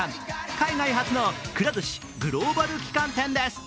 海外初のくら寿司グローバル旗艦店です。